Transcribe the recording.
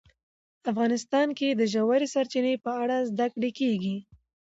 افغانستان کې د ژورې سرچینې په اړه زده کړه کېږي.